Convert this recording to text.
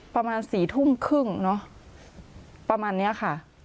ประมาณสี่ทุ่มครึ่งเนอะประมาณนี้ค่ะ